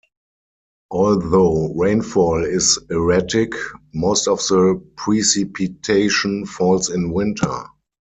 Although rainfall is erratic, most of the precipitation falls in winter.